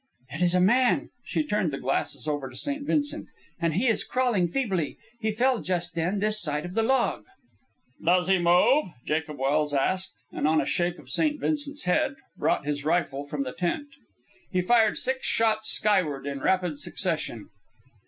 "It is a man." She turned the glasses over to St. Vincent. "And he is crawling feebly. He fell just then this side of the log." "Does he move?" Jacob Welse asked, and, on a shake of St. Vincent's head, brought his rifle from the tent. He fired six shots skyward in rapid succession.